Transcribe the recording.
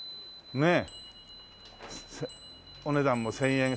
ねえ。